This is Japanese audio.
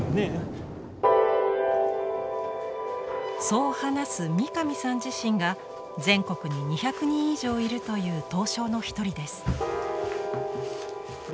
そう話す三上さん自身が全国に２００人以上いるという刀匠の一人です。